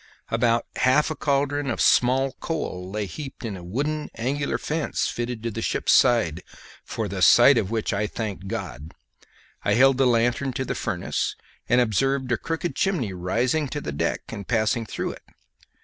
About half a chaldron of small coal lay heaped in a wooden angular fence fitted to the ship's side, for the sight of which I thanked God. I held the lanthorn to the furnace, and observed a crooked chimney rising to the deck and passing through it.